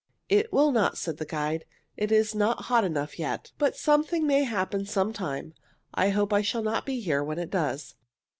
"It will not," said the guide. "It is not hot enough yet. But something may happen some time. I hope I shall not be here when it does.